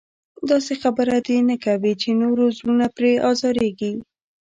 داسې خبره دې نه کوي چې نورو زړونه پرې ازارېږي.